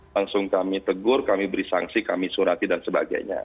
langsung kami tegur kami beri sanksi kami surati dan sebagainya